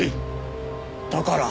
だから？